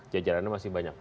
jajarannya masih banyak